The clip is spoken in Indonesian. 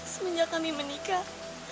semenjak kami menikah